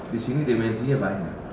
di sini dimensinya banyak